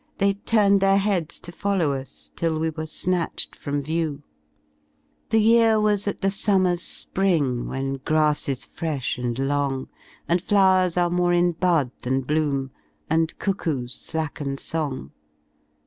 They turned their heads to follow us Till we were snatched from view. 94 They Mr was at the summer* i sprmg IVhen grass is fresh andlongy And flowers are more in hud than bloom y And cuckoos slacken song.